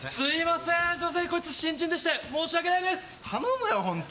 すみません、こいつ新人でして申し訳ないです！